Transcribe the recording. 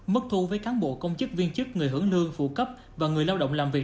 mức thu với cán bộ công chức viên chức người hưởng lương phụ cấp và người lao động làm việc